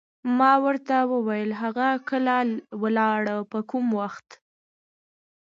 ما ورته وویل: هغه کله ولاړه، په کوم وخت؟